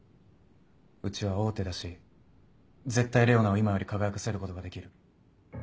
うちは大手だし絶対レオナを今より輝かせることができる。